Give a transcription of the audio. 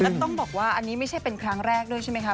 แล้วต้องบอกว่าอันนี้ไม่ใช่เป็นครั้งแรกด้วยใช่ไหมคะ